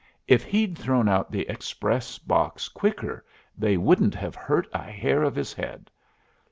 If he'd thrown out the express box quicker they wouldn't have hurt a hair of his head.